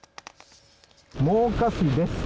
真岡市です。